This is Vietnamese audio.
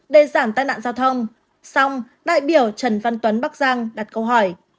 để giảm tai nạn giao thông xong đại biểu trần văn tuấn bắc giang đặt câu hỏi